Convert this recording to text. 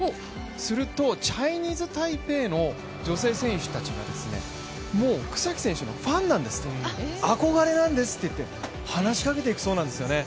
すると、チャイニーズタイペイの女性選手たちがもう草木選手のファンなんです、憧れなんですといって、話しかけていくそうなんですよね。